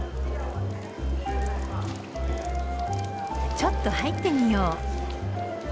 ちょっと入ってみよう。